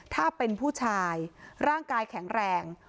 ถ้าเป็นผู้ชายร่างกายแข็งแรง